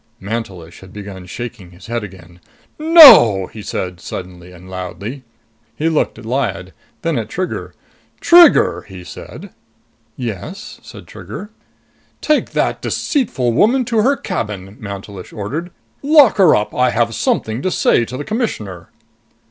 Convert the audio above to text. Mantelish had begun shaking his head again. "No!" he said suddenly and loudly. He looked at Lyad, then at Trigger. "Trigger!" he said. "Yes?" said Trigger. "Take that deceitful woman to her cabin," Mantelish ordered. "Lock her up. I have something to say to the Commissioner."